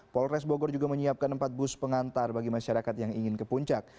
polres bogor juga menyiapkan empat bus pengantar bagi masyarakat yang ingin ke puncak